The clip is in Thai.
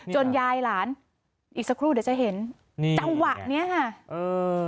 ยายหลานอีกสักครู่เดี๋ยวจะเห็นนี่จังหวะเนี้ยค่ะเออ